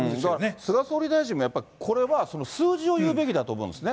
菅総理大臣もやっぱりこれは数字を言うべきだと思うんですね。